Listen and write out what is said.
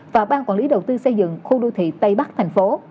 và ban quản lý đầu tư xây dựng khu đô thị tây bắc thành phố